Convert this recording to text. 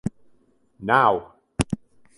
Now!